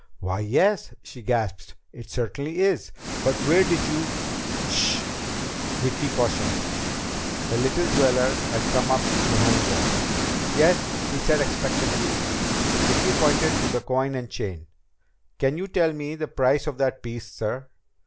"Why, yes," she gasped. "It certainly is. But where did you " "Sh h h!" Vicki cautioned. The little jeweler had come up behind them. "Yes?" he said expectantly. Vicki pointed to the coin and chain. "Can you tell me the price of that piece, sir?"